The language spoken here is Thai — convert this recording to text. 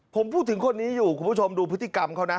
ผมพูดถึงคนนี้อยู่คุณผู้ชมดูพฤติกรรมเขานะ